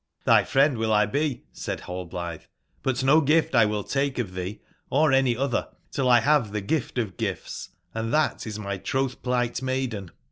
jj^'^XTby friend willlbe/' said Hallblitbe, ^'but no gift will 1 take of tbee or any otber till X bave tbc gift of gifts, and tbat is my trotb/pligbt maiden.